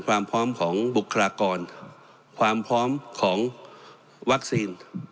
ความพร้อมของบุคลากรความพร้อมของวัคซีน